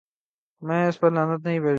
میں اس پر لعنت نہیں بھیجوں گا۔